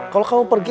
kalau kamu pergi